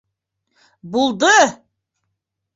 Булды!..